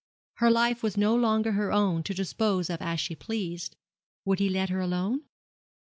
Her life was no longer her own to dispose of as she pleased. Would he let her alone?